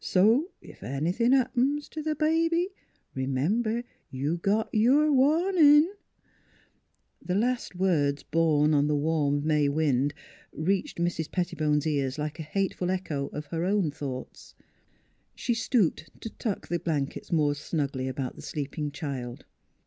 So if anythin' happens t' th' baby, r'member you got your warnin' !" The last words borne on the warm May wind reached Mrs. Pettibone's ears like a hateful echo of her own thoughts. She stooped to tuck the blankets more snugly about the sleeping child.